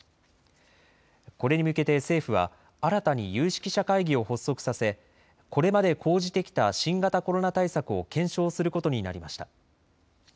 これに向けて政府は新たに有識者会議を発足させ、これまで講じてきた新型コロナ対策を検証することになりました。